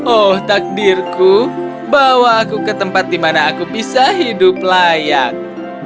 oh takdirku bawa aku ke tempat di mana aku bisa hidup layak